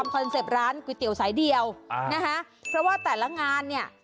เพราะว่าแต่ละงานเนี่ย